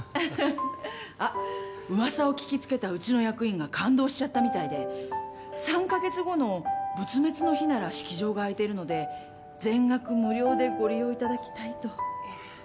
あっうわさを聞きつけたうちの役員が感動しちゃったみたいで３か月後の仏滅の日なら式場が空いているので全額無料でご利用いただきたいと。